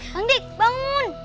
bang dik bangun